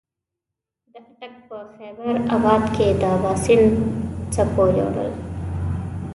د اټک په خېبر اباد کې د اباسین څپو یوړل.